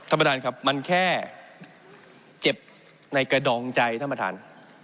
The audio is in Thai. ท่านประธานครับมันแค่เก็บในกระดองใจท่านประธาน